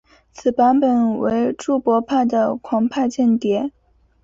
此版本为注博派的狂派间谍。